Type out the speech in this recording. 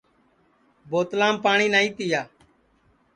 بوتلام پاٹؔی نائی تِیا